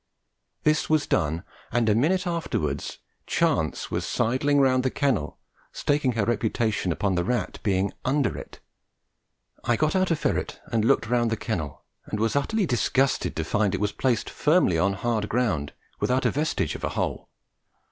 This was done, and a minute afterwards Chance was sidling round the kennel, staking her reputation upon the rat being under it. I got out a ferret and looked round the kennel, and was utterly disgusted to find it was placed firmly on hard ground without a vestige of a hole.